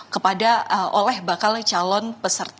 kepada oleh bakal calon peserta